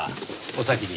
お先に。